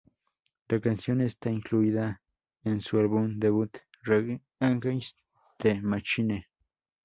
La canción está incluida en su álbum debut, Rage Against the Machine.